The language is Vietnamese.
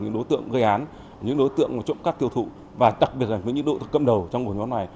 những đối tượng gây án những đối tượng trộm cắt tiêu thụ và đặc biệt là những đối tượng cầm đầu trong hội nhóm này